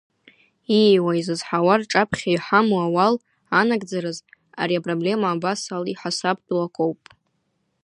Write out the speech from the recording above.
Ииуа, изызҳауа рҿаԥхьа иҳамоу ауал анагӡараз, ари апроблема абас алаиҳасабтәу акоуп.